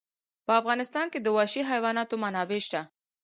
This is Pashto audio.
په افغانستان کې د وحشي حیوانات منابع شته.